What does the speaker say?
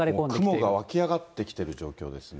雲が沸き上がってきている状況ですね。